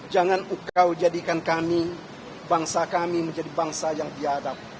jangan engkau jadikan kami bangsa kami menjadi bangsa yang tiadab